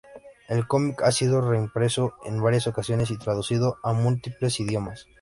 El cómic ha sido reimpreso en varias ocasiones y traducido a múltiples idiomas.